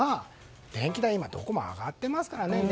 電気代どこも上がっていますからね。